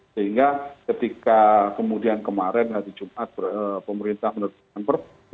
sehingga ketika kemudian kemarin hari jumat pemerintah menerbitkan perpu